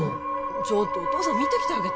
ちょっとお父さん見てきてあげて・